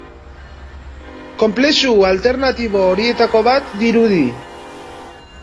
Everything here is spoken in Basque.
Konplexu alternatibo horietako bat dirudi.